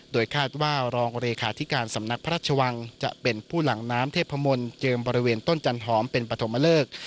โดยคาดว่ารองเลขาธิการสำนักพระราชวังจะเป็นผู้หลังน้ำเทพมนต์เจิมบริเวณต้นจันหอมเป็นปฐมเลิก